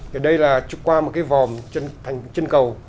thì đây là qua một cái vòm chân cầu